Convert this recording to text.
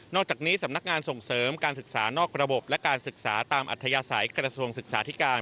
อกจากนี้สำนักงานส่งเสริมการศึกษานอกระบบและการศึกษาตามอัธยาศัยกระทรวงศึกษาธิการ